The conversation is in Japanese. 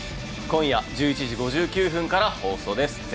今夜１１時５９分から放送です。